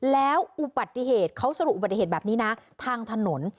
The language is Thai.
แล้วอุบัติเหตุเขาสรุปอุบัติเหตุแบบนี้นะทางถนน